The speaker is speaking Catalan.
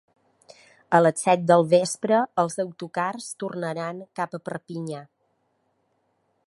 A les set del vespre els autocars tornaran cap a Perpinyà.